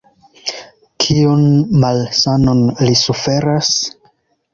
Kiun malsanon li suferas?